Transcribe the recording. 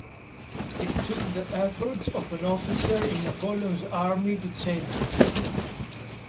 It took the efforts of an officer in Napoleon's army to change this.